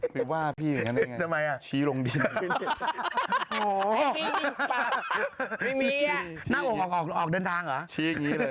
หรือว่าพี่หญิงอันนี้ไง